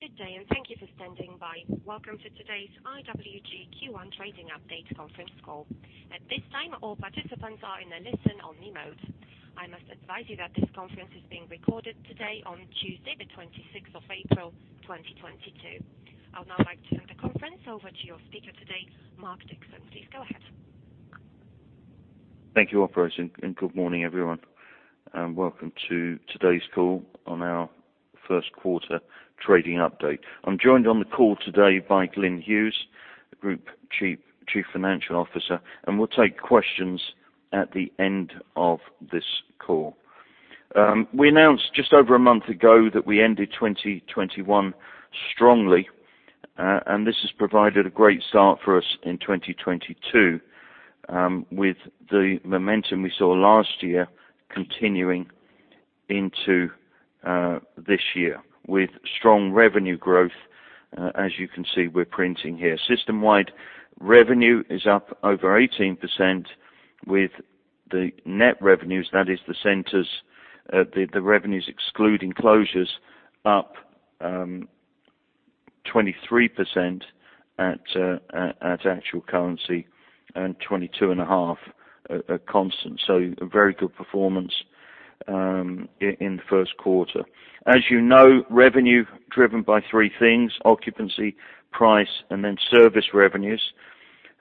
Good day, and thank you for standing by. Welcome to today's IWG Q1 Trading Update conference call. At this time, all participants are in a listen-only mode. I must advise you that this conference is being recorded today on Tuesday, the 26th of April, 2022. I'll now like to turn the conference over to your speaker today, Mark Dixon. Please go ahead. Thank you, operator, and good morning, everyone, and welcome to today's call on our first quarter trading update. I'm joined on the call today by Glyn Hughes, the Group Chief Financial Officer, and we'll take questions at the end of this call. We announced just over a month ago that we ended 2021 strongly, and this has provided a great start for us in 2022, with the momentum we saw last year continuing into this year with strong revenue growth, as you can see we're printing here. System-wide revenue is up over 18% with the net revenues, that is the centers, the revenues excluding closures up 23% at actual currency and 22.5 constant. So a very good performance in the first quarter. As you know, revenue driven by three things, occupancy, price, and then service revenues.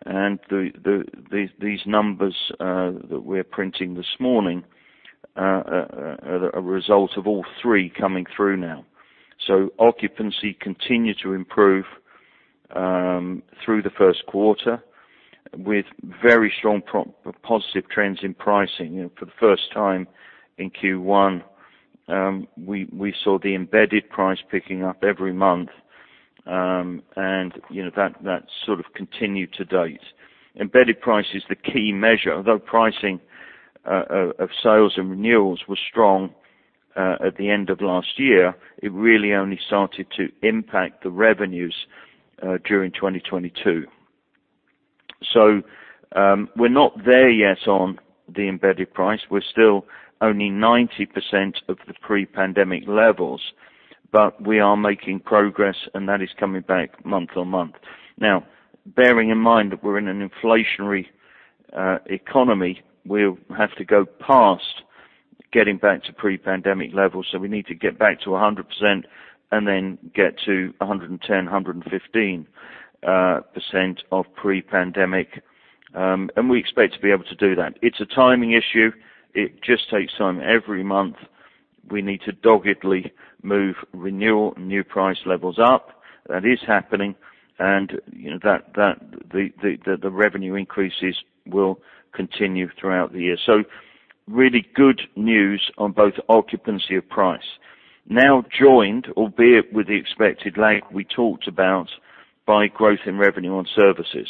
These numbers that we're printing this morning are a result of all three coming through now. Occupancy continued to improve through the first quarter with very strong positive trends in pricing. You know, for the first time in Q1, we saw the embedded price picking up every month. You know, that sort of continued to date. Embedded price is the key measure. Although pricing of sales and renewals was strong at the end of last year, it really only started to impact the revenues during 2022. We're not there yet on the embedded price. We're still only 90% of the pre-pandemic levels, but we are making progress, and that is coming back month-on-month. Now, bearing in mind that we're in an inflationary economy, we'll have to go past getting back to pre-pandemic levels, so we need to get back to 100% and then get to 110, 115% of pre-pandemic. We expect to be able to do that. It's a timing issue. It just takes time. Every month, we need to doggedly move renewal and new price levels up. That is happening. You know, the revenue increases will continue throughout the year. Really good news on both occupancy and price. Now joined, albeit with the expected lag we talked about by growth in revenue on services.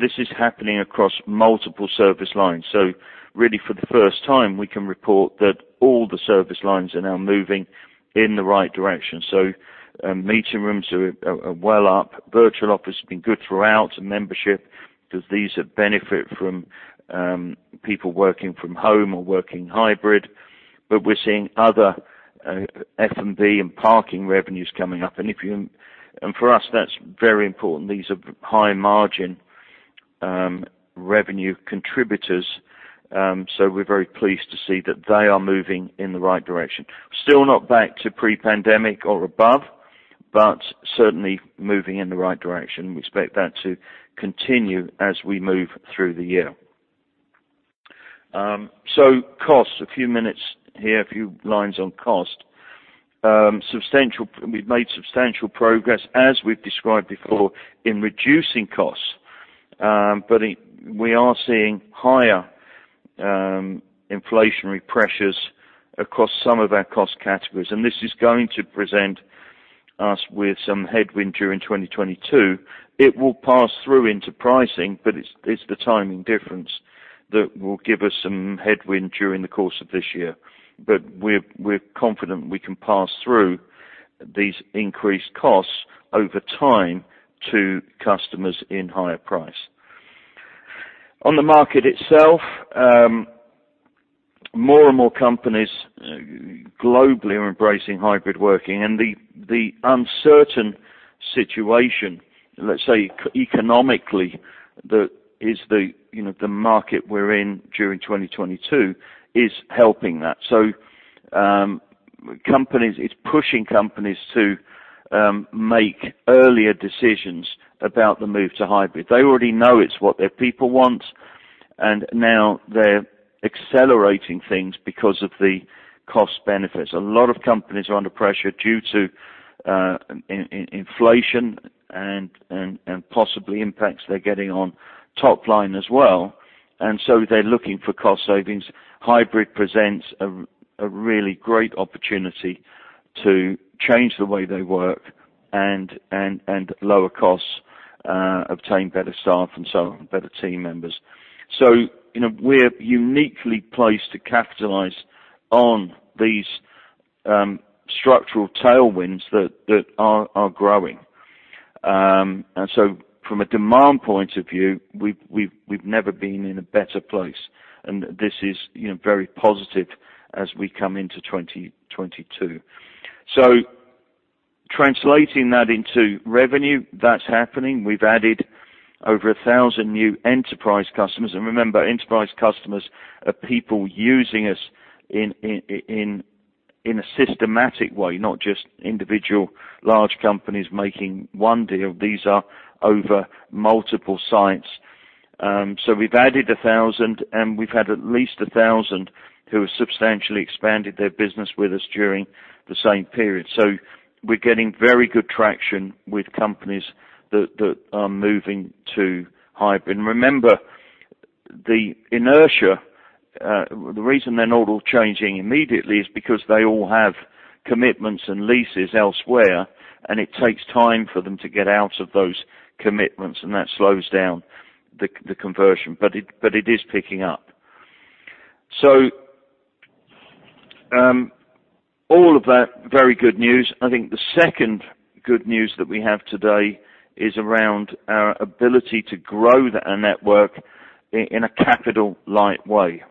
This is happening across multiple service lines. Really for the first time, we can report that all the service lines are now moving in the right direction. Meeting rooms are well up. Virtual office has been good throughout, and membership, because these benefit from people working from home or working hybrid. We're seeing other F&B and parking revenues coming up. For us, that's very important. These are high-margin revenue contributors, so we're very pleased to see that they are moving in the right direction. Still not back to pre-pandemic or above, but certainly moving in the right direction. We expect that to continue as we move through the year. Costs, a few minutes here, a few lines on cost. We've made substantial progress, as we've described before, in reducing costs. We are seeing higher inflationary pressures across some of our cost categories, and this is going to present us with some headwind during 2022. It will pass through into pricing, but it's the timing difference that will give us some headwind during the course of this year. We're confident we can pass through these increased costs over time to customers in higher price. On the market itself, more and more companies globally are embracing hybrid working and the uncertain situation, let's say economically, that is, you know, the market we're in during 2022, is helping that. It's pushing companies to make earlier decisions about the move to hybrid. They already know it's what their people want, and now they're accelerating things because of the cost benefits. A lot of companies are under pressure due to inflation and possibly impacts they're getting on top line as well, and so they're looking for cost savings. Hybrid presents a really great opportunity to change the way they work and lower costs, obtain better staff and so on, better team members. You know, we're uniquely placed to capitalize on these structural tailwinds that are growing. From a demand point of view, we've never been in a better place, and this is, you know, very positive as we come into 2022. Translating that into revenue, that's happening. We've added over 1,000 new enterprise customers. Remember, enterprise customers are people using us in a systematic way, not just individual large companies making one deal. These are over multiple sites. We've added 1,000, and we've had at least 1,000 who have substantially expanded their business with us during the same period. We're getting very good traction with companies that are moving to hybrid. Remember, the inertia, the reason they're not all changing immediately is because they all have commitments and leases elsewhere, and it takes time for them to get out of those commitments, and that slows down the conversion. It is picking up. All of that, very good news. I think the second good news that we have today is around our ability to grow our network in a capital-light way.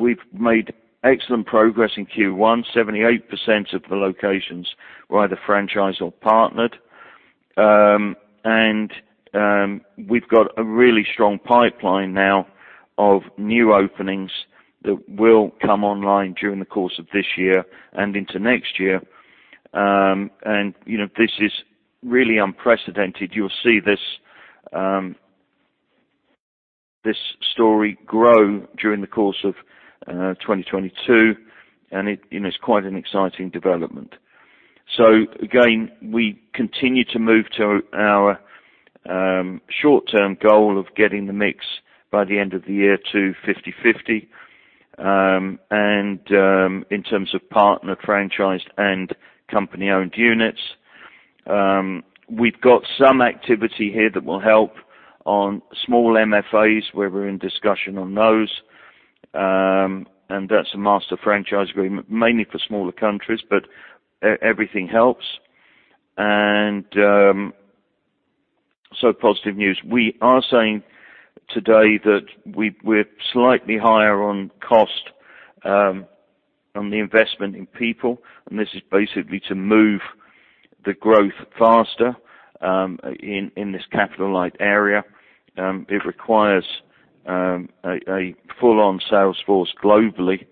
We've made excellent progress in Q1. 78% of the locations were either franchised or partnered. We've got a really strong pipeline now of new openings that will come online during the course of this year and into next year. You know, this is really unprecedented. You'll see this story grow during the course of 2022, and you know, it's quite an exciting development. Again, we continue to move to our short-term goal of getting the mix by the end of the year to 50/50. In terms of partner, franchised, and company-owned units, we've got some activity here that will help on small MFAs, where we're in discussion on those. That's a master franchise agreement, mainly for smaller countries, but everything helps. Positive news. We are saying today that we're slightly higher on cost on the investment in people, and this is basically to move the growth faster in this capital-light area. It requires a full-on sales force globally,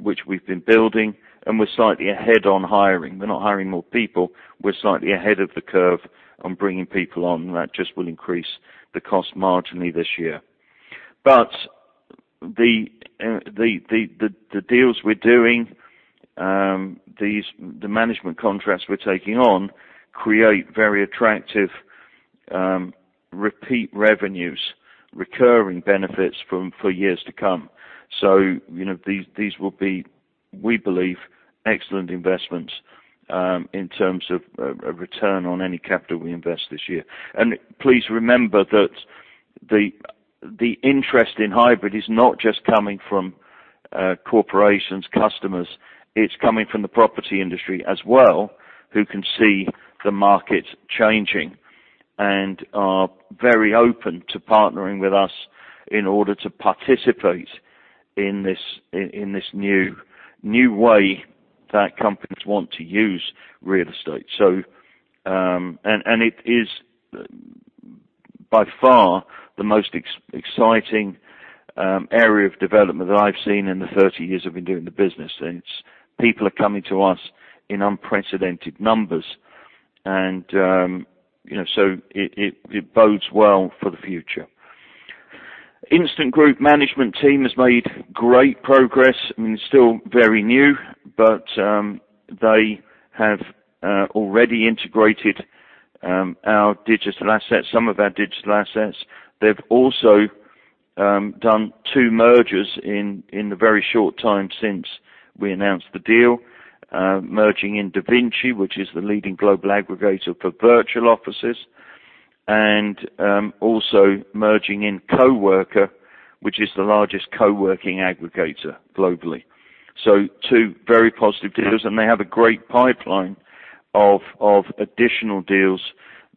which we've been building, and we're slightly ahead on hiring. We're not hiring more people. We're slightly ahead of the curve on bringing people on. That just will increase the cost marginally this year. The deals we're doing, the management contracts we're taking on create very attractive repeat revenues, recurring benefits for years to come. These will be, we believe, excellent investments in terms of a return on any capital we invest this year. Please remember that the interest in hybrid is not just coming from corporate customers, it's coming from the property industry as well, who can see the market changing and are very open to partnering with us in order to participate in this new way that companies want to use real estate. It is by far the most exciting area of development that I've seen in the 30 years I've been doing the business, and it's. People are coming to us in unprecedented numbers. You know, it bodes well for the future. The Instant Group management team has made great progress. I mean, still very new, but they have already integrated some of our digital assets. They've also done two mergers in the very short time since we announced the deal, merging in Davinci, which is the leading global aggregator for virtual offices, and also merging in Coworker, which is the largest co-working aggregator globally. Two very positive deals, and they have a great pipeline of additional deals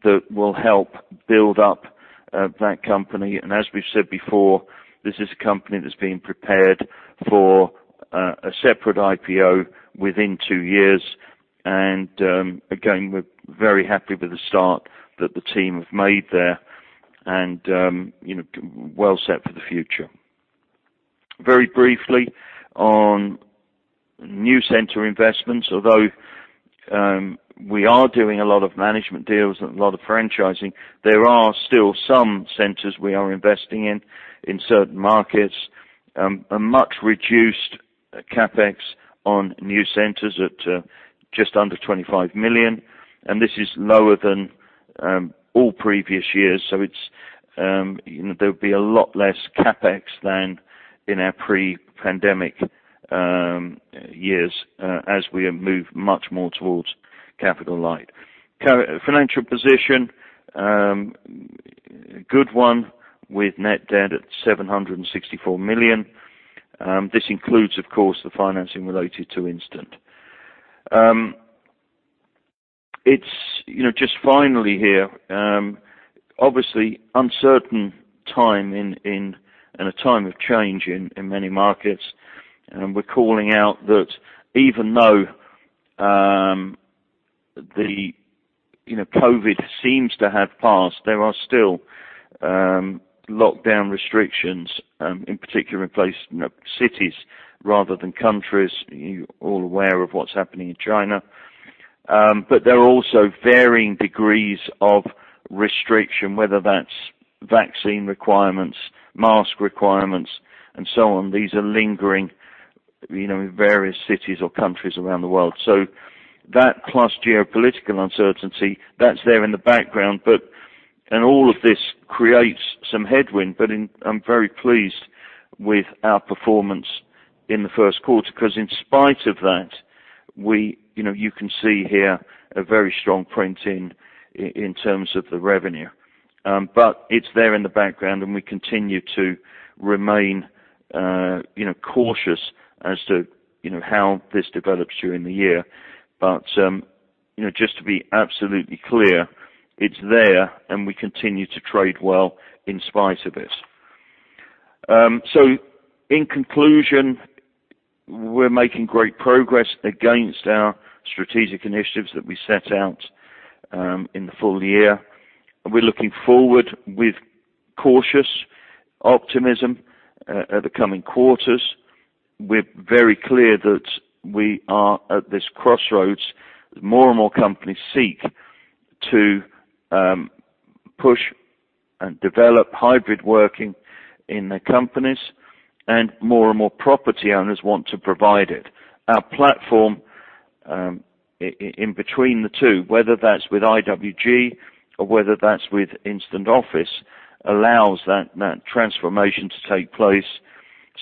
that will help build up that company. As we've said before, this is a company that's being prepared for a separate IPO within two years. Again, we're very happy with the start that the team have made there and you know, well set for the future. Very briefly on new center investments. Although we are doing a lot of management deals and a lot of franchising, there are still some centers we are investing in in certain markets. A much reduced CapEx on new centers at just under 25 million, and this is lower than all previous years. It's you know, there'll be a lot less CapEx than in our pre-pandemic years as we move much more towards capital-light. Financial position a good one with net debt at 764 million. This includes, of course, the financing related to Instant. It's, you know, just finally here, obviously an uncertain time and a time of change in many markets. We're calling out that even though the COVID seems to have passed, there are still lockdown restrictions in particular in place in cities rather than countries. You're all aware of what's happening in China. There are also varying degrees of restriction, whether that's vaccine requirements, mask requirements, and so on. These are lingering, you know, in various cities or countries around the world. That plus geopolitical uncertainty, that's there in the background. All of this creates some headwind, but I'm very pleased with our performance in the first quarter because in spite of that, we, you know, you can see here a very strong printing in terms of the revenue. It's there in the background, and we continue to remain, you know, cautious as to, you know, how this develops during the year. You know, just to be absolutely clear, it's there, and we continue to trade well in spite of this. In conclusion, we're making great progress against our strategic initiatives that we set out in the full year. We're looking forward with cautious optimism at the coming quarters. We're very clear that we are at this crossroads. More and more companies seek to push and develop hybrid working in their companies, and more and more property owners want to provide it. Our platform in between the two, whether that's with IWG or whether that's with Instant Offices, allows that transformation to take place.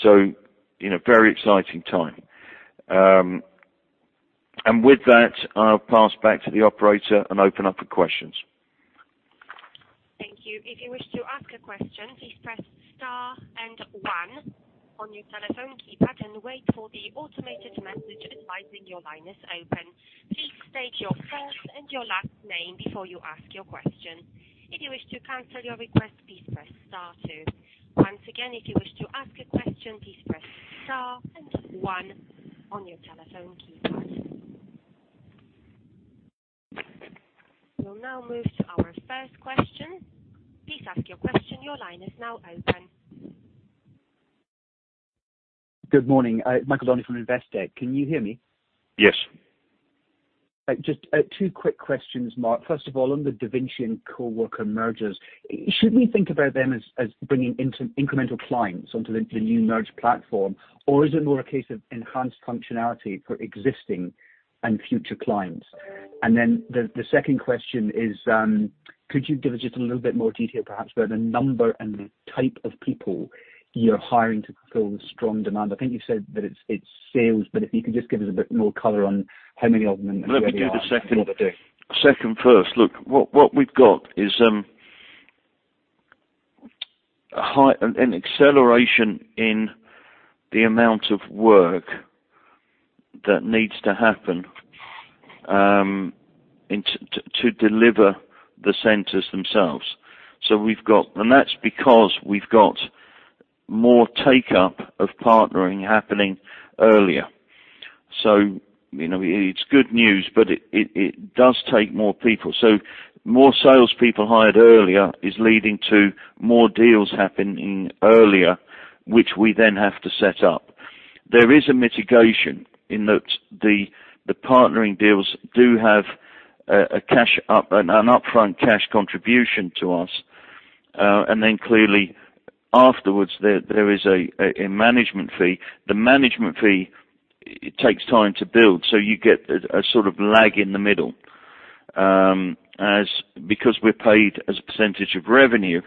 You know, very exciting time. With that, I'll pass back to the operator and open up the questions. Thank you. If you wish to ask a question, please press star and one on your telephone keypad and wait for the automated message advising your line is open. Please state your first and your last name before you ask your question. If you wish to cancel your request, please press star two. Once again, if you wish to ask a question, please press star and one on your telephone keypad. We'll now move to our first question. Please ask your question. Your line is now open. Good morning. Michael Donnelly from Investec. Can you hear me? Yes. Just two quick questions, Mark. First of all, on the Davinci and Coworker mergers, should we think about them as bringing incremental clients onto the new merged platform, or is it more a case of enhanced functionality for existing and future clients? Then the second question is, could you give us just a little bit more detail perhaps about the number and the type of people you're hiring to fulfill the strong demand? I think you said that it's sales, but if you could just give us a bit more color on how many of them and where they are. Let me do the second- what they're doing. Look, what we've got is an acceleration in the amount of work that needs to happen and to deliver the centers themselves. That's because we've got more take-up of partnering happening earlier. You know, it's good news, but it does take more people. More salespeople hired earlier is leading to more deals happening earlier, which we then have to set up. There is a mitigation in that the partnering deals do have an upfront cash contribution to us. Clearly afterwards there is a management fee. The management fee, it takes time to build, so you get a sort of lag in the middle. Because we're paid as a percentage of revenue,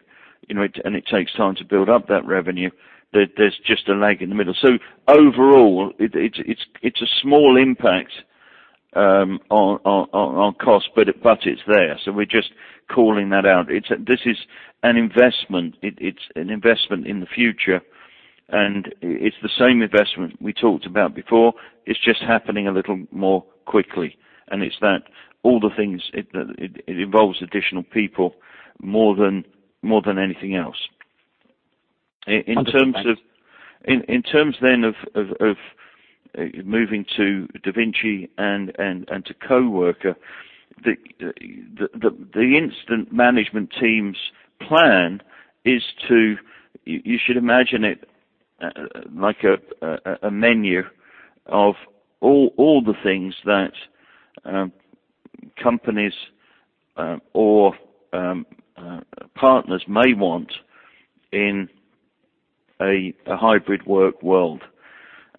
you know, and it takes time to build up that revenue. There's just a lag in the middle. Overall, it's a small impact on cost, but it's there. We're just calling that out. This is an investment. It's an investment in the future, and it's the same investment we talked about before. It's just happening a little more quickly. It's that all the things it involves additional people more than anything else. Understood, thanks. In terms then of moving to Davinci and to Coworker, the Instant management team's plan is to. You should imagine it like a menu of all the things that companies or partners may want in a hybrid work world.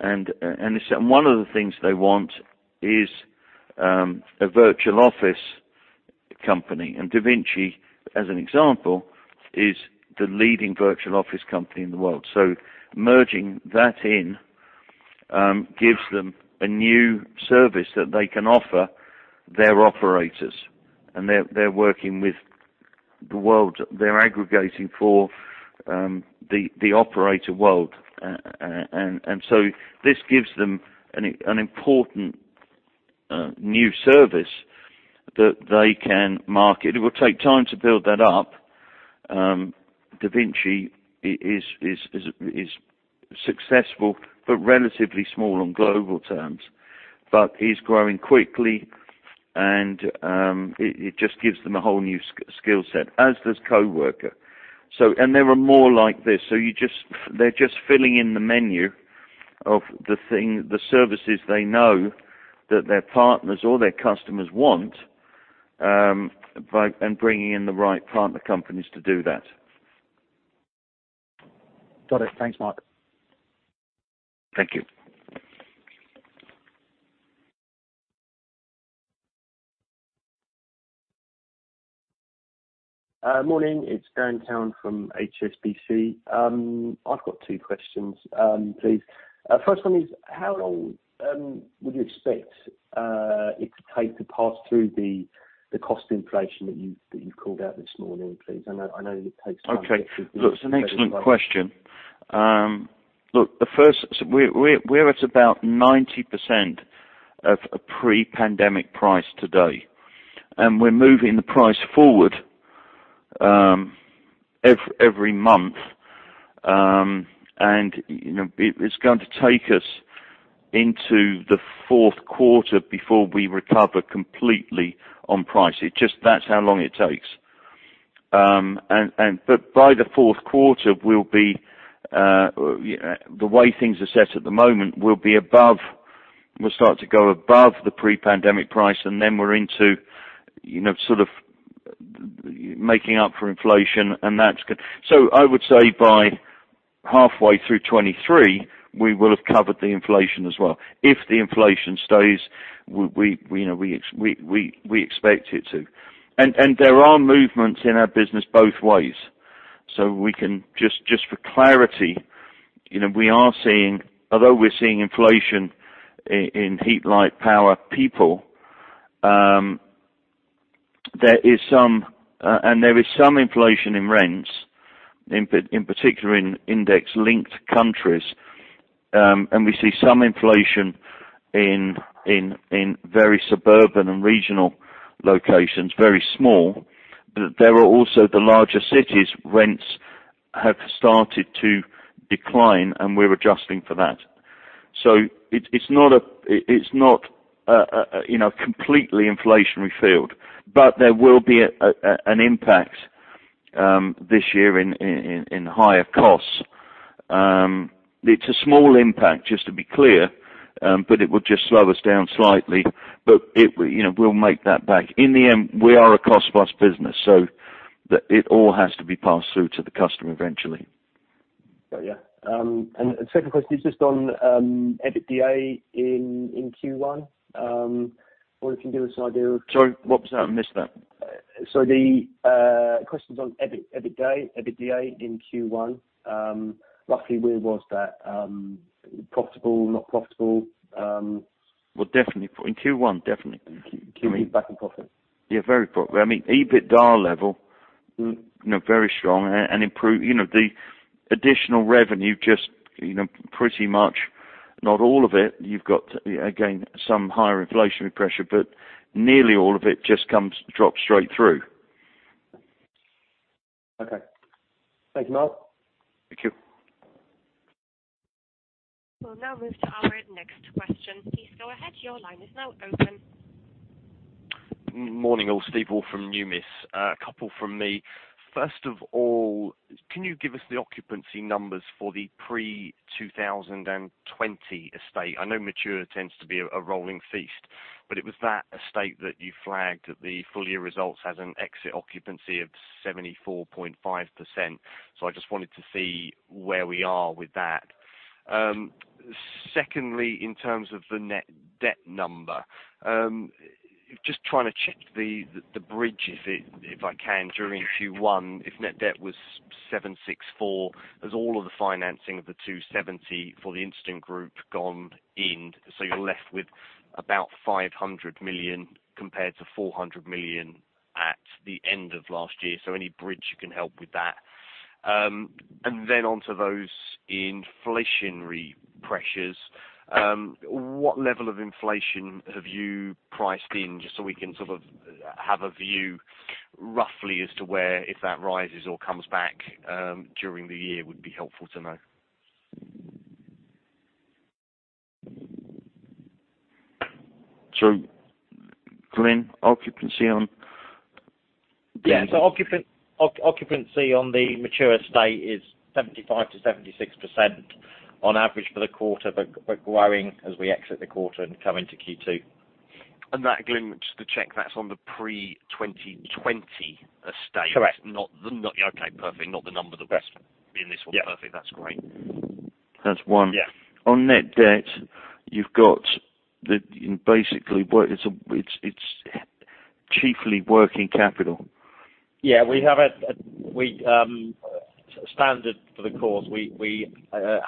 One of the things they want is a virtual office company. Davinci, as an example, is the leading virtual office company in the world. Merging that in gives them a new service that they can offer their operators. They're working with the world. They're aggregating for the operator world. This gives them an important new service that they can market. It will take time to build that up. Davinci is successful but relatively small on global terms. It is growing quickly, and it just gives them a whole new skill set, as does Coworker. There are more like this. They're just filling in the menu of the thing, the services they know that their partners or their customers want, and bringing in the right partner companies to do that. Got it. Thanks, Mark. Thank you. Morning. It's Dan Cowan from HSBC. I've got two questions, please. First one is how long would you expect it to take to pass through the cost inflation that you've called out this morning, please? I know that it takes time- Okay. Look, it's an excellent question. We're at about 90% of a pre-pandemic price today, and we're moving the price forward every month. And, you know, it's going to take us into the fourth quarter before we recover completely on price. That's how long it takes. By the fourth quarter, the way things are set at the moment, we'll be above. We'll start to go above the pre-pandemic price, and then we're into, you know, sort of making up for inflation. I would say by halfway through 2023, we will have covered the inflation as well. If the inflation stays, we, you know, we expect it to. There are movements in our business both ways. We can... Just for clarity, you know, although we're seeing inflation in heat, light, power, people, there is some inflation in rents, in particular in index-linked countries. We see some inflation in very suburban and regional locations, very small. In the larger cities, rents have started to decline, and we're adjusting for that. It's not a completely inflationary field. There will be an impact this year in higher costs. It's a small impact, just to be clear, but it will just slow us down slightly. You know, we'll make that back. In the end, we are a cost-plus business, so it all has to be passed through to the customer eventually. Got ya. The second question is just on EBITDA in Q1. What it can do is sort of- Sorry, what was that? I missed that. The question's on EBIT, EBITDA in Q1. Roughly where was that? Profitable, not profitable? Well, definitely. In Q1, definitely. Back in profit. I mean, EBITDA level you know, very strong and improve. You know, the additional revenue just, you know, pretty much not all of it. You've got, again, some higher inflationary pressure, but nearly all of it just drops straight through. Okay. Thank you, Mark. Thank you. We'll now move to our next question. Please go ahead. Your line is now open. Morning, all. Steve Woolf from Numis. A couple from me. First of all, can you give us the occupancy numbers for the pre-2020 estate? I know mature tends to be a rolling forecast, but it was that estate that you flagged at the full year results as an exit occupancy of 74.5%. I just wanted to see where we are with that. Secondly, in terms of the net debt number, just trying to check the bridge, if I can, during Q1, if net debt was 764 million, has all of the financing of the 270 million for The Instant Group gone in, so you're left with about 500 million compared to 400 million at the end of last year? Any bridge you can help with that. Onto those inflationary pressures, what level of inflation have you priced in, just so we can sort of have a view roughly as to where if that rises or comes back, during the year would be helpful to know. Glyn, occupancy on- Occupancy on the mature estate is 75%-76% on average for the quarter, but growing as we exit the quarter and come into Q2. That, Glyn, just to check, that's on the pre-2020 estate? Correct. Yeah. Okay, perfect. Not the number that was- Yes. In this one. Yeah. Perfect. That's great. That's one. Yeah. On net debt, you've got basically, it's chiefly working capital. Yeah, par for the course. We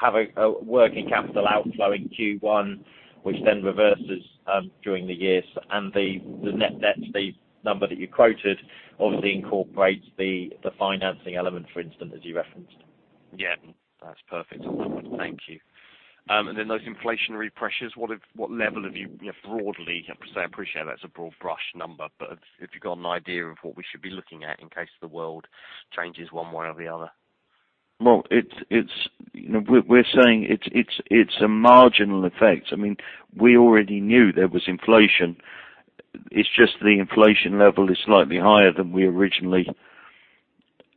have a working capital outflow in Q1, which then reverses during the years. The net debt, the number that you quoted obviously incorporates the financing element, for instance, as you referenced. Yeah. That's perfect on that one. Thank you. Those inflationary pressures, what level have you know, broadly. I appreciate that's a broad brush number, but if you've got an idea of what we should be looking at in case the world changes one way or the other. Well, it's a marginal effect. You know, we're saying it's a marginal effect. I mean, we already knew there was inflation. It's just the inflation level is slightly higher than we originally.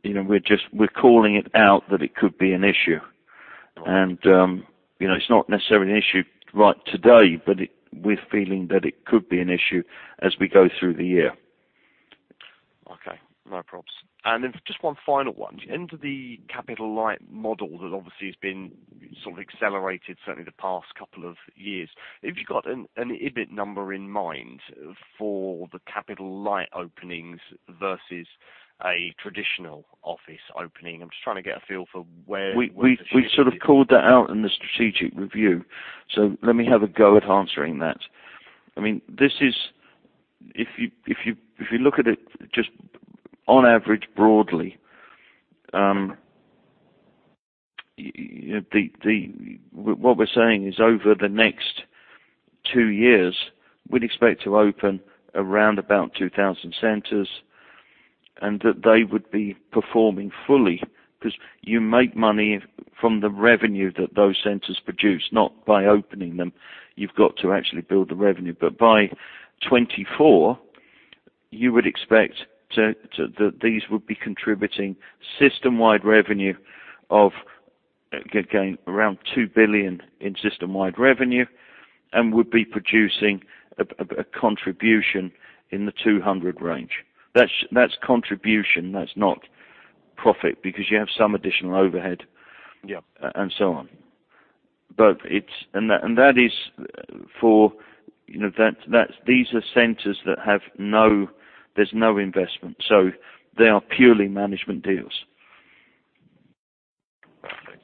You know, we're calling it out that it could be an issue. You know, it's not necessarily an issue right today, but we're feeling that it could be an issue as we go through the year. Okay. No probs. Just one final one. Into the capital-light model that obviously has been sort of accelerated certainly the past couple of years, have you got an EBIT number in mind for the capital-light openings versus a traditional office opening? I'm just trying to get a feel for where the shift is. We've sort of called that out in the strategic review, so let me have a go at answering that. I mean, this is. If you look at it just on average broadly, you know, what we're saying is over the next two years, we'd expect to open around 2,000 centers, and that they would be performing fully. 'Cause you make money from the revenue that those centers produce, not by opening them. You've got to actually build the revenue. But by 2024, you would expect that these would be contributing system-wide revenue of, again, around 2 billion in system-wide revenue and would be producing a contribution in the 200 range. That's contribution. That's not profit, because you have some additional overhead. Yeah. You know, these are centers that have no investment, so they are purely management deals. Perfect.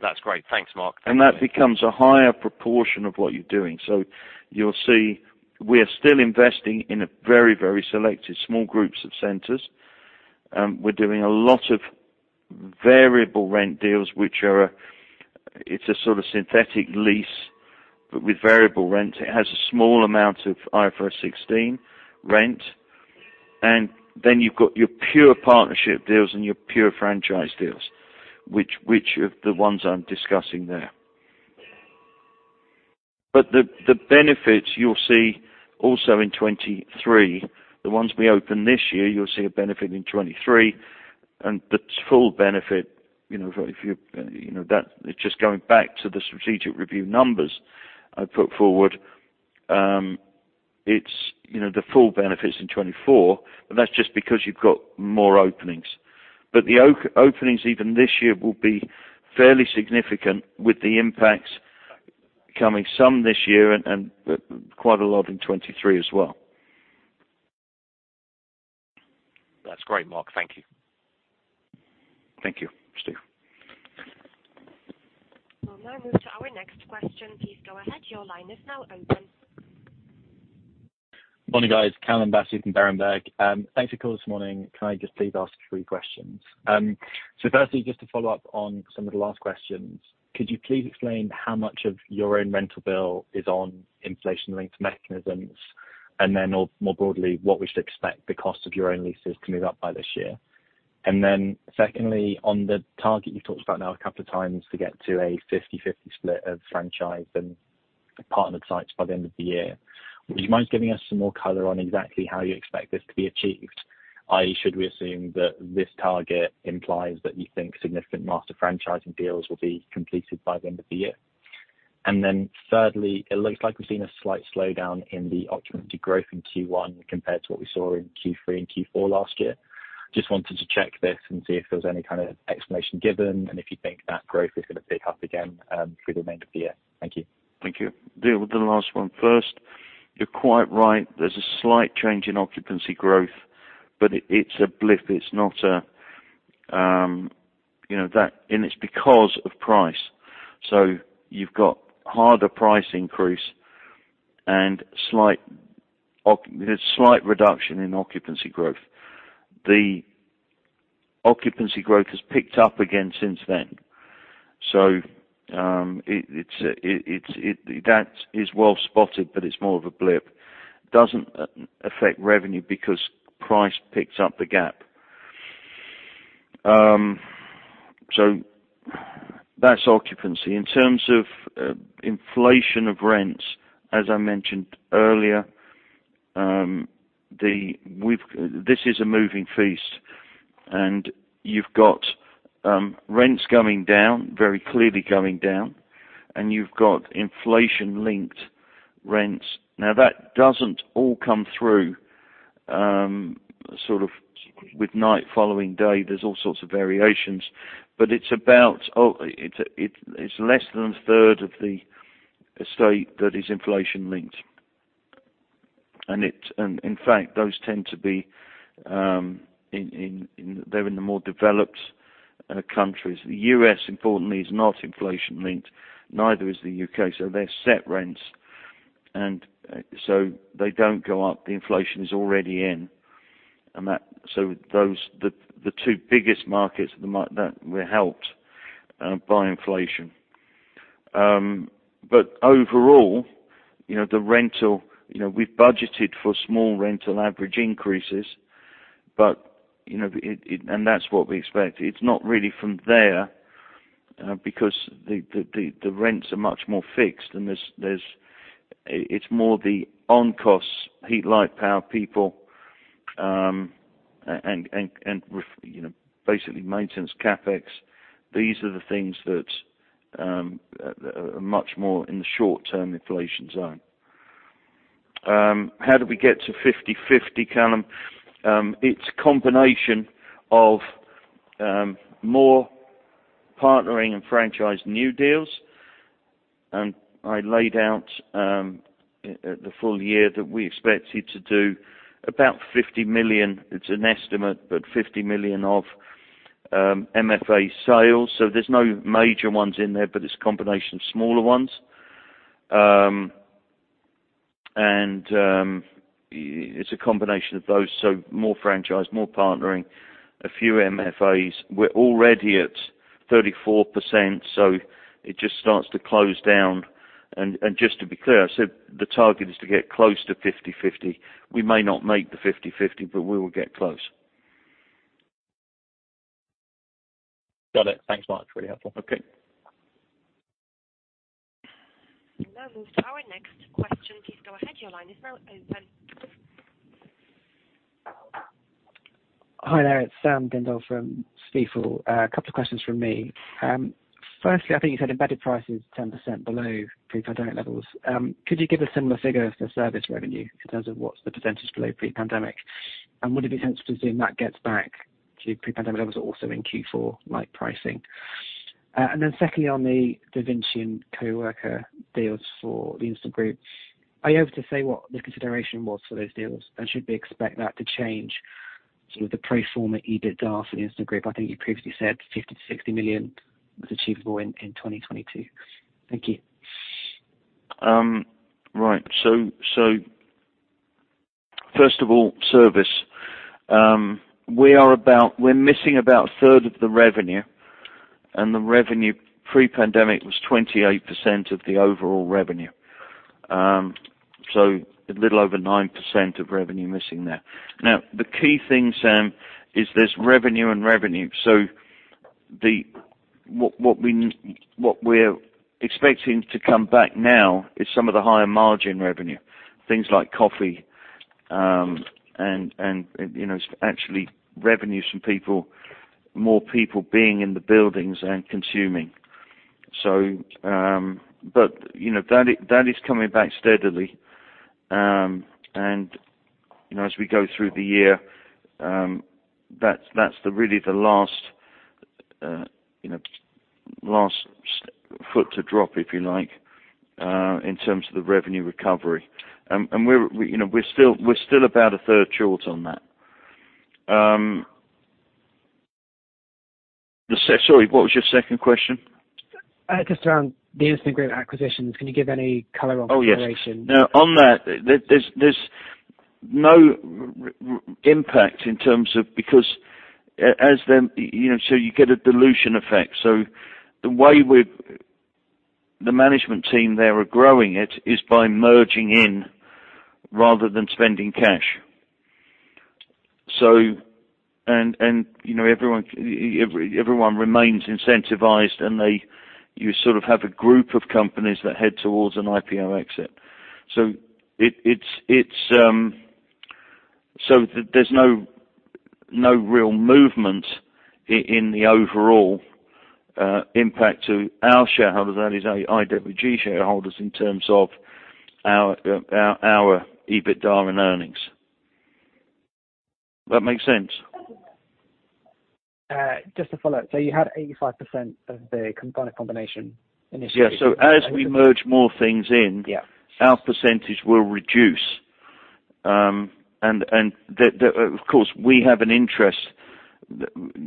That's great. Thanks, Mark. That becomes a higher proportion of what you're doing. You'll see we're still investing in a very, very selected small groups of centers. We're doing a lot of variable rent deals, which it's a sort of synthetic lease, but with variable rent. It has a small amount of IFRS 16 rent. Then you've got your pure partnership deals and your pure franchise deals, which are the ones I'm discussing there. The benefits you'll see also in 2023, the ones we open this year, you'll see a benefit in 2023. The full benefit, you know, if you know, that. It's just going back to the strategic review numbers I put forward. It's, you know, the full benefit's in 2024, but that's just because you've got more openings. The openings even this year will be fairly significant with the impacts coming some this year and quite a lot in 2023 as well. That's great, Mark. Thank you. Thank you, Steve. We'll now move to our next question. Please go ahead. Your line is now open. Morning, guys. Callum Simpson from Berenberg. Thanks for calling this morning. Can I just please ask three questions? Firstly, just to follow up on some of the last questions, could you please explain how much of your own rental bill is on inflation-linked mechanisms? Or more broadly, what we should expect the cost of your own leases to move up by this year. Secondly, on the target you've talked about now a couple of times to get to a 50/50 split of franchise and partnered sites by the end of the year, would you mind giving us some more color on exactly how you expect this to be achieved? i.e., should we assume that this target implies that you think significant master franchising deals will be completed by the end of the year? Thirdly, it looks like we've seen a slight slowdown in the occupancy growth in Q1 compared to what we saw in Q3 and Q4 last year. Just wanted to check this and see if there was any kind of explanation given, and if you think that growth is gonna pick up again, through the end of the year. Thank you. Thank you. Deal with the last one first. You're quite right. There's a slight change in occupancy growth, but it's a blip. It's not. You know, that. It's because of price. You've got higher price increases and slight reduction in occupancy growth. The occupancy growth has picked up again since then. That is well-spotted, but it's more of a blip. It doesn't affect revenue because price picks up the gap. That's occupancy. In terms of inflation of rents, as I mentioned earlier. This is a moving feast, and you've got rents going down, very clearly going down, and you've got inflation-linked rents. That doesn't all come through sort of with night following day. There's all sorts of variations. It's less than a third of the estate that is inflation-linked. In fact, those tend to be in the more developed countries. The U.S. importantly is not inflation-linked, neither is the U.K., so they're set rents. So they don't go up. The inflation is already in. Those are the two biggest markets that were helped by inflation. But overall, you know, the rental, you know, we've budgeted for small rental average increases, but, you know, it. That's what we expect. It's not really from there because the rents are much more fixed and there's. It's more the on costs, heat, light, power, people, and you know, basically maintenance CapEx. These are the things that are much more in the short-term inflation zone. How do we get to 50/50, Callum? It's a combination of more partnering and franchise new deals. I laid out the full year that we expected to do about 50 million. It's an estimate, but 50 million of MFA sales. There's no major ones in there, but it's a combination of smaller ones. It's a combination of those. More franchise, more partnering, a few MFAs. We're already at 34%, so it just starts to close down. Just to be clear, I said the target is to get close to 50/50. We may not make the 50/50, but we will get close. Got it. Thanks much. Really helpful. Okay. We now move to our next question. Please go ahead. Your line is now open. Hi there, it's Sam Dindol from Stifel. A couple of questions from me. Firstly, I think you said embedded price is 10% below pre-pandemic levels. Could you give a similar figure for service revenue in terms of what's the percentage below pre-pandemic? And would it be fair to assume that gets back to pre-pandemic levels also in Q4, like pricing? And then secondly, on the Davinci and Coworker deals for the Instant Group, are you able to say what the consideration was for those deals? And should we expect that to change sort of the pro forma EBITDA for the Instant Group? I think you previously said 50 million-60 million was achievable in 2022. Thank you. Right. First of all, service. We're missing about a third of the revenue, and the revenue pre-pandemic was 28% of the overall revenue. A little over 9% of revenue missing there. Now, the key thing, Sam, is there's revenue and revenue. What we're expecting to come back now is some of the higher margin revenue, things like coffee, and, you know, actually revenues from people, more people being in the buildings and consuming. You know, that is coming back steadily. You know, as we go through the year, that's really the last foot to drop, if you like, in terms of the revenue recovery. We're, you know, we're still about a third short on that. Sorry, what was your second question? Just around the Instant Group acquisitions, can you give any color on consideration? Oh, yes. Now, on that, there's no impact in terms of because as you know, you get a dilution effect. The management team there are growing it is by merging in rather than spending cash. You know, everyone remains incentivized, and you sort of have a group of companies that head towards an IPO exit. There's no real movement in the overall impact to our shareholders, that is IWG shareholders, in terms of our EBITDA and earnings. That make sense? Just to follow up. You had 85% of the combination initially. Yeah. As we merge more things in. Yeah. Our percentage will reduce. Of course, we have an interest.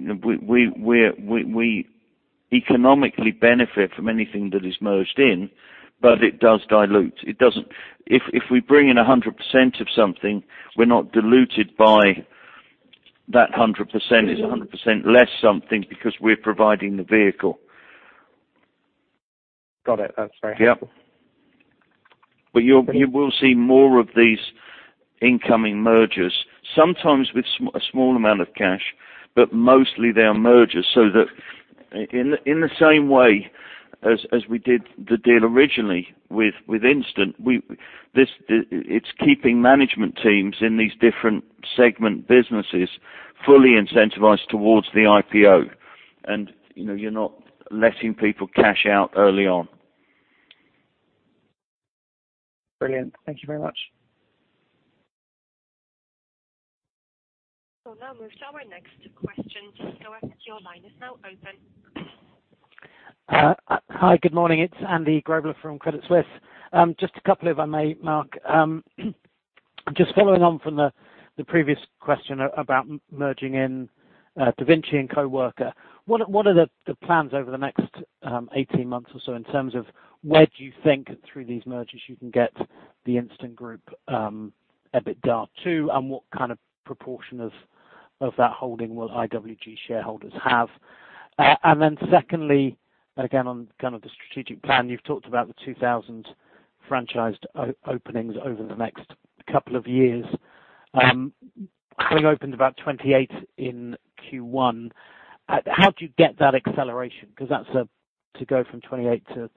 We economically benefit from anything that is merged in, but it does dilute. If we bring in 100% of something, we're not diluted by that 100%. It's 100% less something because we're providing the vehicle. Got it. That's very helpful. Yeah. You will see more of these incoming mergers, sometimes with a small amount of cash, but mostly they are mergers. So that in the same way as we did the deal originally with Instant, it's keeping management teams in these different segment businesses fully incentivized towards the IPO. You know, you're not letting people cash out early on. Brilliant. Thank you very much. Now move to our next question. Your line is now open. Hi, good morning. It's Andy Grobler from Credit Suisse. Just a couple if I may, Mark. Just following on from the previous question about merging in Davinci and Coworker. What are the plans over the next 18 months or so in terms of where do you think through these mergers you can get the Instant Group EBITDA to, and what kind of proportion of that holding will IWG shareholders have? And then secondly, again, on kind of the strategic plan, you've talked about the 2,000 franchised openings over the next couple of years. Having opened about 28 in Q1, how do you get that acceleration? 'Cause that's to go from 28 to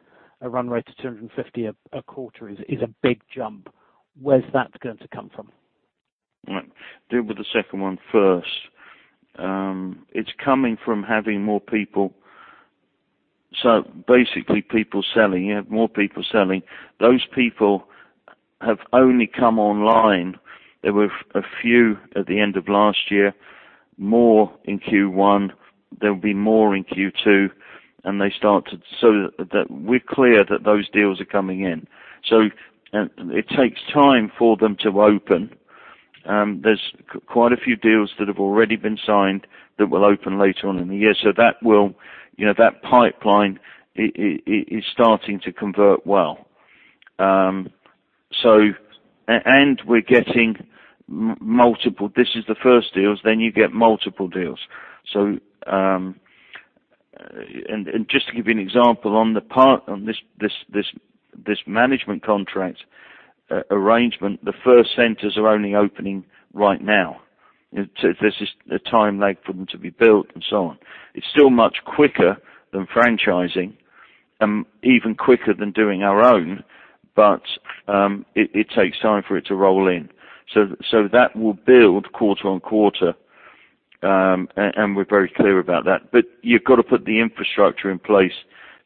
a run rate to 250 a quarter is a big jump. Where's that going to come from? Right. Deal with the second one first. It's coming from having more people. Basically people selling. You have more people selling. Those people have only come online. There were a few at the end of last year, more in Q1. There'll be more in Q2, that we're clear that those deals are coming in. It takes time for them to open. There's quite a few deals that have already been signed that will open later on in the year. That will, you know, that pipeline is starting to convert well. We're getting multiple. This is the first deals, then you get multiple deals. Just to give you an example, on this management contract arrangement, the first centers are only opening right now. There's a time lag for them to be built and so on. It's still much quicker than franchising, even quicker than doing our own, but it takes time for it to roll in. That will build quarter on quarter, and we're very clear about that. You've got to put the infrastructure in place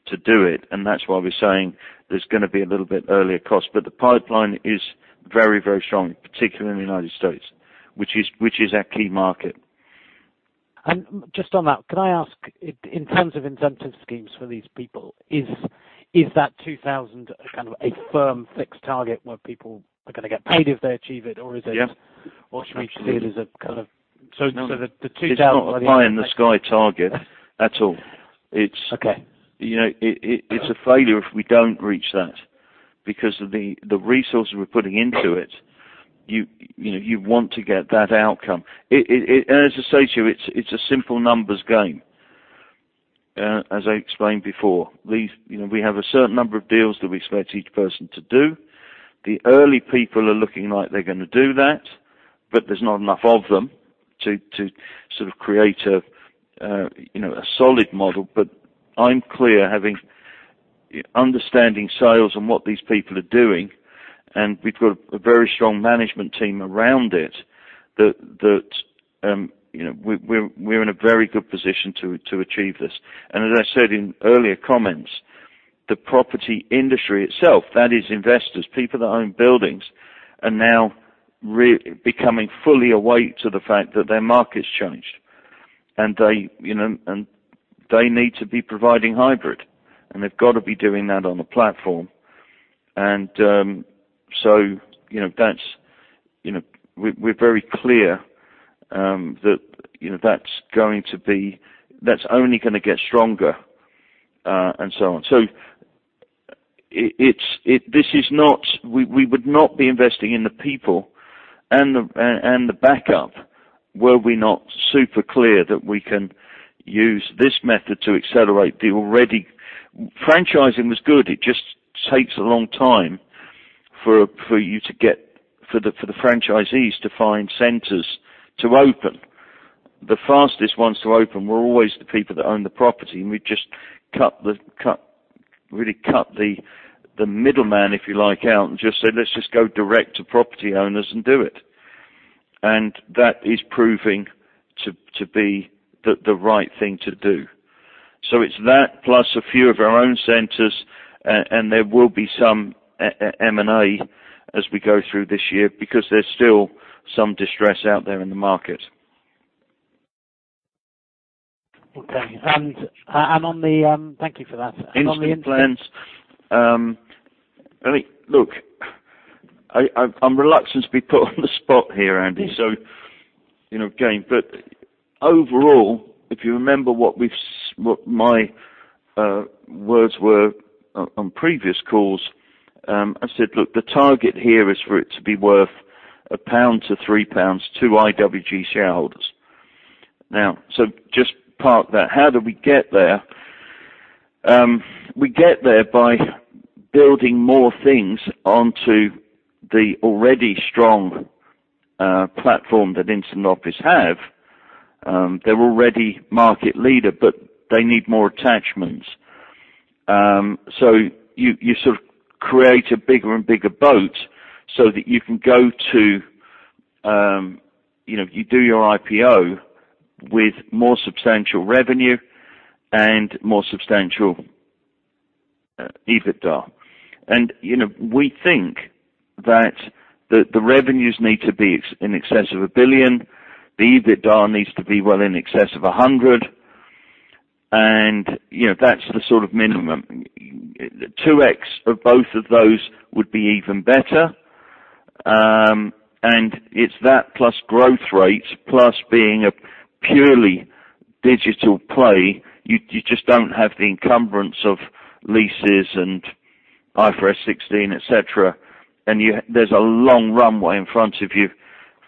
to do it, and that's why we're saying there's gonna be a little bit earlier cost. The pipeline is very, very strong, particularly in the United States, which is our key market. Just on that, could I ask in terms of incentive schemes for these people, is that 2000 kind of a firm fixed target where people are gonna get paid if they achieve it or is it? Yeah. Should we see it as a kind of? Absolutely. So, so the, the two thousand- It's not a pie-in-the-sky target at all. Okay. You know, it's a failure if we don't reach that because of the resources we're putting into it. You know, you want to get that outcome. As I said to you, it's a simple numbers game, as I explained before. You know, we have a certain number of deals that we expect each person to do. The early people are looking like they're gonna do that, but there's not enough of them to sort of create a you know, a solid model. I'm clear, having an understanding of sales and what these people are doing, and we've got a very strong management team around it that you know, we're in a very good position to achieve this. As I said in earlier comments, the property industry itself, that is investors, people that own buildings, are now becoming fully awake to the fact that their market's changed. They need to be providing hybrid, and they've got to be doing that on a platform. We're very clear that that's going to be, that's only gonna get stronger, and so on. We would not be investing in the people and the backup were we not super clear that we can use this method to accelerate the already. Franchising was good. It just takes a long time for the franchisees to find centers to open. The fastest ones to open were always the people that own the property, and we've just really cut the middleman, if you like, out and just said, "Let's just go direct to property owners and do it." That is proving to be the right thing to do. It's that plus a few of our own centers, and there will be some M&A as we go through this year because there's still some distress out there in the market. Okay. Thank you for that. Instant plans. And on the- I mean, look, I'm reluctant to be put on the spot here, Andy, so you know, again. Overall, if you remember what my words were on previous calls, I said, "Look, the target here is for it to be worth 1-3 pounds to IWG shareholders." Now, just park that. How do we get there? We get there by building more things onto the already strong platform that Instant Offices have. They're already market leader, but they need more attachments. You sort of create a bigger and bigger boat so that you can go to, you know, you do your IPO with more substantial revenue and more substantial EBITDA. You know, we think that the revenues need to be in excess of 1 billion. The EBITDA needs to be well in excess of 100. You know, that's the sort of minimum. The 2x of both of those would be even better. It's that plus growth rates, plus being a purely digital play. You just don't have the encumbrance of leases and IFRS 16, et cetera, and there's a long runway in front of you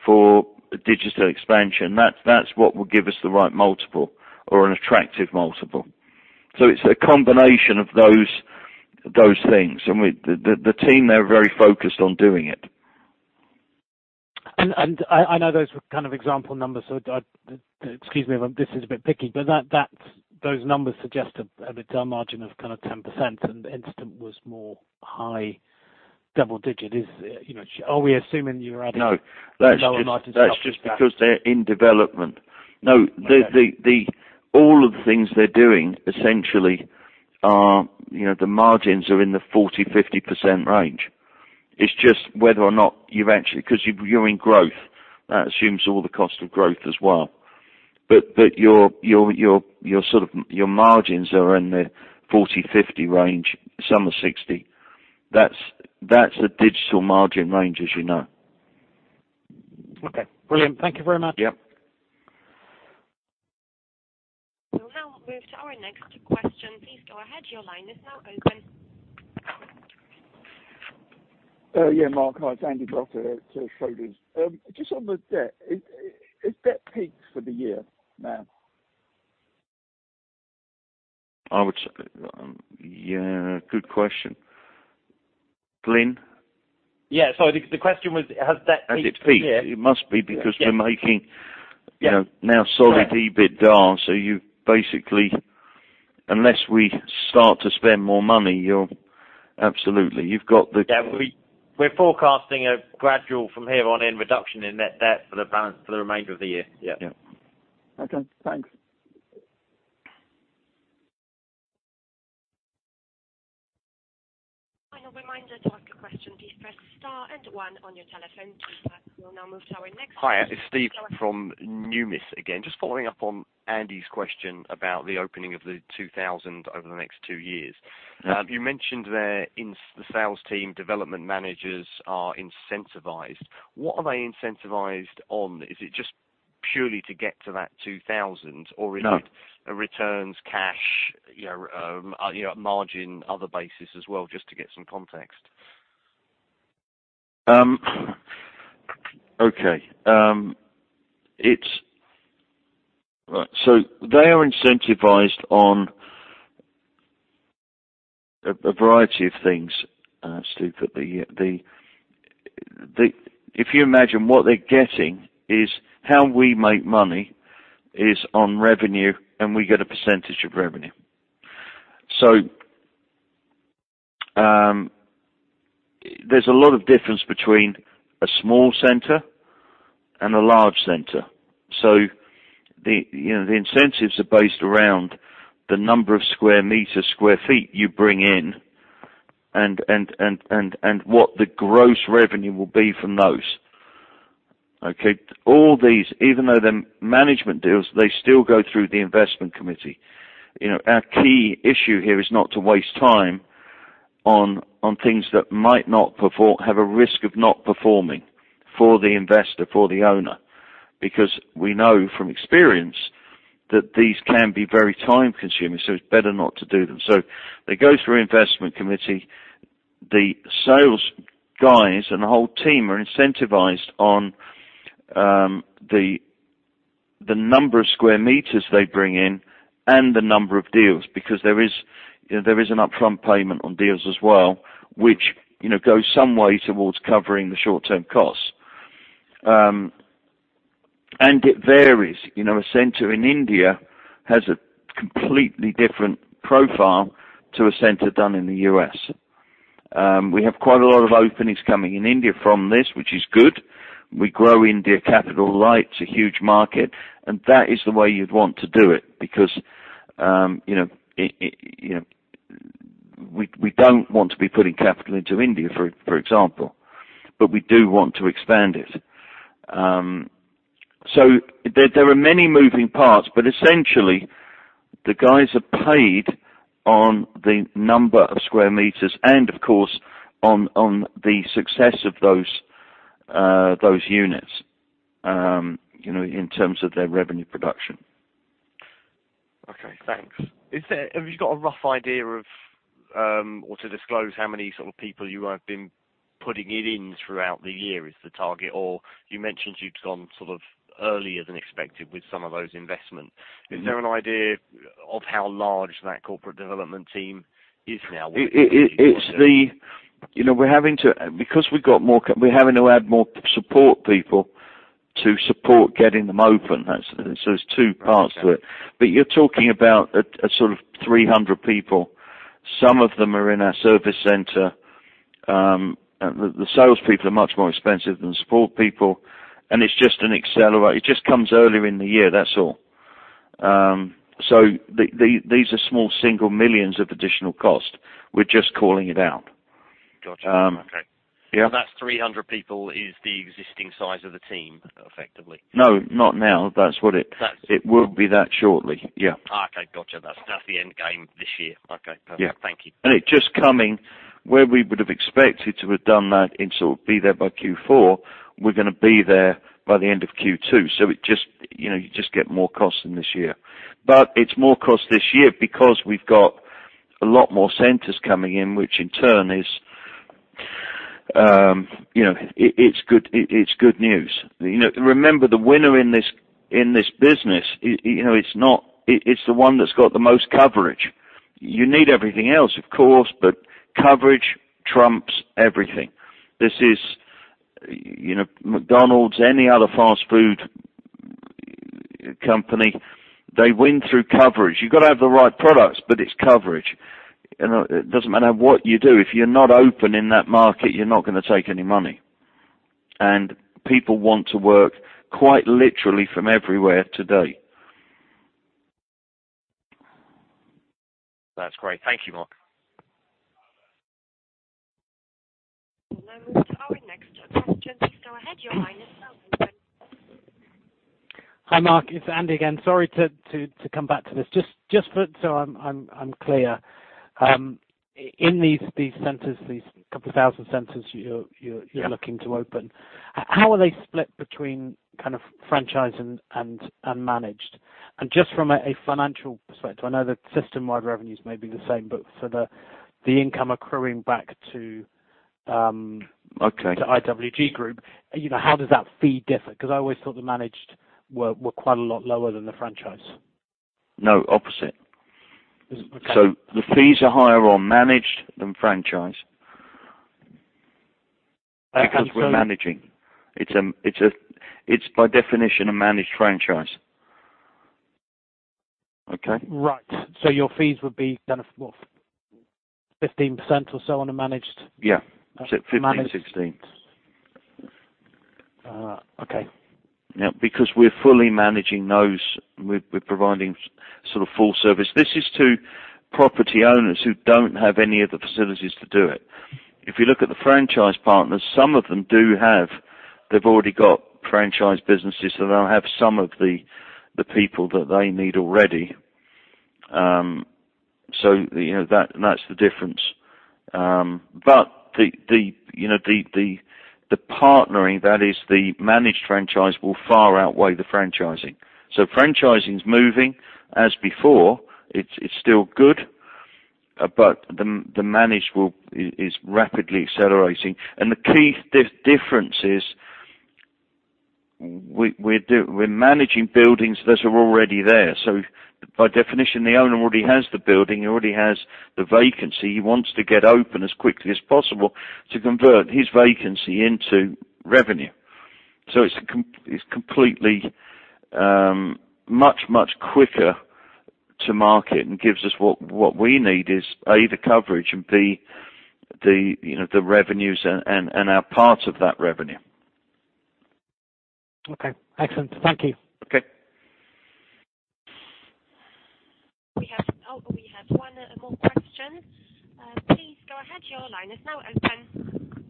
for digital expansion. That's what will give us the right multiple or an attractive multiple. It's a combination of those things. The team, they're very focused on doing it. I know those were kind of example numbers, so excuse me if I'm a bit picky, but those numbers suggest an EBITDA margin of kind of 10%, and Instant was in the high double digits. Is it that we are assuming you were adding- No. Lower margin stuff to that? That's just because they're in development. No. Okay. All of the things they're doing essentially are, you know, the margins are in the 40%-50% range. It's just whether or not you've actually 'cause you're in growth. That assumes all the cost of growth as well. But your sort of margins are in the 40%-50% range. Some are 60%. That's the digital margin range, as you know. Okay. Brilliant. Thank you very much. Yep. We'll now move to our next question. Please go ahead. Your line is now open. Mark. Hi, it's Andy Brough at Schroders. Just on the debt. Is debt peaked for the year now? I would say, yeah. Good question. Glyn? Yeah. Sorry, the question was has debt peaked for the year? Has it peaked? It must be because. Yeah. -we're making- Yeah. You know, now solid EBITDA, so you basically unless we start to spend more money, you're absolutely. You've got the We're forecasting a gradual from here on in reduction in net debt for the remainder of the year. Yeah. Yeah. Okay. Thanks. Final reminder. To ask a question, please press star and one on your telephone keypad. We'll now move to our next- Hi. It's Steve from Numis again. Just following up on Andy's question about the opening of the 2,000 over the next two years. Mm-hmm. You mentioned there, the sales team development managers are incentivized. What are they incentivized on? Is it just purely to get to that 2,000? No. Is it a return, cash, you know, you know, margin, other bases as well, just to get some context? They are incentivized on a variety of things, Steve. If you imagine what they're getting is how we make money is on revenue, and we get a percentage of revenue. There's a lot of difference between a small center and a large center. The, you know, the incentives are based around the number of square meters, square feet you bring in and what the gross revenue will be from those. Okay. All these, even though they're management deals, they still go through the investment committee. You know, our key issue here is not to waste time on things that might not perform, have a risk of not performing for the investor, for the owner, because we know from experience that these can be very time-consuming, so it's better not to do them. They go through investment committee. The sales guys and the whole team are incentivized on the number of square meters they bring in and the number of deals. Because there is an upfront payment on deals as well, which, you know, goes some way towards covering the short-term costs. It varies. You know, a center in India has a completely different profile to a center down in the U.S. We have quite a lot of openings coming in India from this, which is good. We grow India capital-light. It's a huge market, and that is the way you'd want to do it because, you know, it you know. We don't want to be putting capital into India, for example, but we do want to expand it. There are many moving parts, but essentially the guys are paid on the number of square meters and of course on the success of those units, you know, in terms of their revenue production. Okay, thanks. Have you got a rough idea of, or to disclose how many sort of people you have been putting it in throughout the year is the target? Or you mentioned you'd gone sort of earlier than expected with some of those investments. Is there an idea of how large that corporate development team is now? It's the the new people. You know, we're having to add more support people to support getting them open. That's two parts to it. Okay. You're talking about a sort of 300 people. Some of them are in our service center. The sales people are much more expensive than support people, and it's just an acceleration. It just comes earlier in the year. That's all. These are small single millions of additional cost. We're just calling it out. Got you. Okay. Yeah. That's 300 people is the existing size of the team effectively? No, not now. That's- It will be that shortly. Yeah. Okay. Gotcha. That's the end game this year. Okay. Yeah. Perfect. Thank you. It just coming where we would've expected to have done that and sort of be there by Q4, we're gonna be there by the end of Q2. It just, you know, you just get more costs in this year. But it's more cost this year because we've got a lot more centers coming in, which in turn is, you know, it's good news. You know, remember the winner in this business, you know, it's not. It's the one that's got the most coverage. You need everything else of course, but coverage trumps everything. This is, you know, McDonald's, any other fast food company, they win through coverage. You've gotta have the right products, but it's coverage. It doesn't matter what you do, if you're not open in that market, you're not gonna take any money. People want to work quite literally from everywhere today. That's great. Thank you, Mark. Hello. Our next question. Please go ahead. Your line is now open. Hi, Mark. It's Andy again. Sorry to come back to this. Just so I'm clear. In these couple thousand centers you're Yeah. You're looking to open, how are they split between kind of franchise and managed? Just from a financial perspective, I know the system-wide revenues may be the same, but for the income accruing back to Okay. to IWG group, you know, how does that fee differ? 'Cause I always thought the managed were quite a lot lower than the franchise. No, opposite. Okay. The fees are higher on managed than franchise. Okay. Because we're managing. It's by definition a managed franchise. Okay? Right. Your fees would be kind of, well, 15% or so on a managed? Yeah. Managed. 15, 16. Okay. Yeah. Because we're fully managing those. We're providing sort of full service. This is to property owners who don't have any of the facilities to do it. If you look at the franchise partners, some of them do have. They've already got franchise businesses, so they'll have some of the people that they need already. You know, that and that's the difference. But you know the partnering, that is the managed franchise will far outweigh the franchising. Franchising's moving as before. It's still good, but the managed will is rapidly accelerating. The key difference is we're managing buildings that are already there. By definition, the owner already has the building, he already has the vacancy. He wants to get open as quickly as possible to convert his vacancy into revenue. It's completely much quicker to market and gives us what we need is A, the coverage, and B, the you know, the revenues and our part of that revenue. Okay. Excellent. Thank you. Okay. We have one more question. Please go ahead. Your line is now open.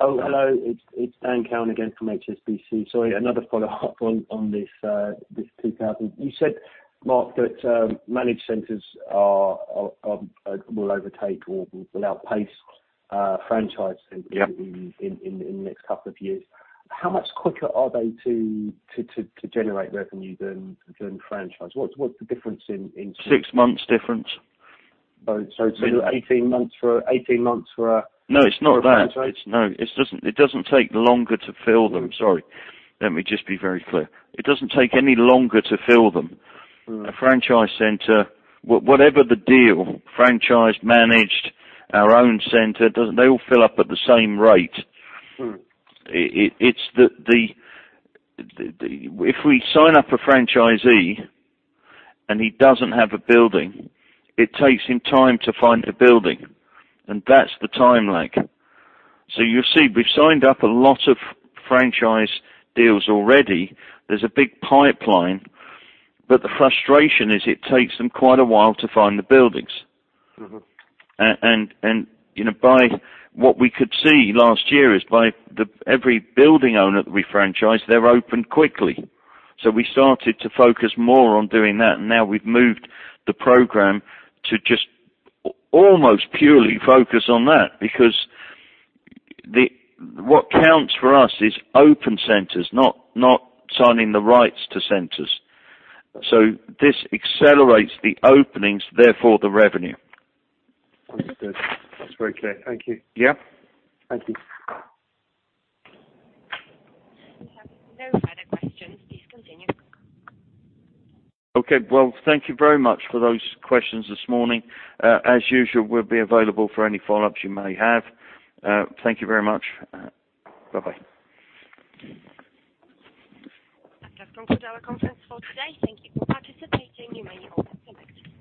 Oh, hello. It's Dan Cowan again from HSBC. Sorry, another follow-up on this 2000. You said, Mark, that managed centers will overtake or will outpace franchise- Yeah. in the next couple of years. How much quicker are they to generate revenue than franchise? What's the difference in Six months difference. Oh, sorry. Yeah. 18 months for a- No, it's not that. For a franchise? It doesn't take longer to fill them. Sorry. Let me just be very clear. It doesn't take any longer to fill them. A franchise center, whatever the deal, franchised, managed, our own center, doesn't. They all fill up at the same rate. If we sign up a franchisee and he doesn't have a building, it takes him time to find a building, and that's the time lag. You'll see, we've signed up a lot of franchise deals already. There's a big pipeline, but the frustration is it takes them quite a while to find the buildings. You know, by what we could see last year is by every building owner that we franchise, they open quickly. We started to focus more on doing that, and now we've moved the program to just almost purely focus on that because what counts for us is open centers, not signing the rights to centers. This accelerates the openings, therefore the revenue. Understood. That's very clear. Thank you. Yeah. Thank you. We have no further questions. Please continue. Okay. Well, thank you very much for those questions this morning. As usual, we'll be available for any follow-ups you may have. Thank you very much. Bye-bye. That concludes our conference call today. Thank you for participating. You may all disconnect.